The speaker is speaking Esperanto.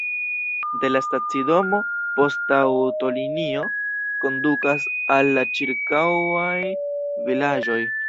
De la stacidomo poŝtaŭtolinio kondukas al la ĉirkaŭaj vilaĝoj.